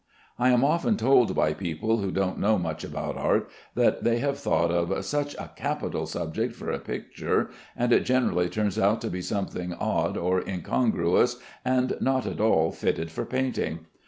I am often told by people who don't know much about art, that they have thought of "such a capital subject for a picture," and it generally turns out to be something odd or incongruous, and not at all fitted for painting.